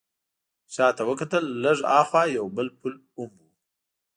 شا ته وکتل، لږ ها خوا یو بل پل هم و.